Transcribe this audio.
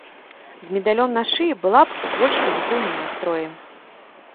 З медалём на шыі была б у больш пазітыўным настроі.